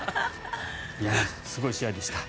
すごい試合でした。